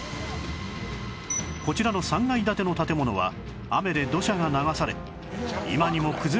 こちらの３階建ての建物は雨で土砂が流され今にも崩れそうな状態に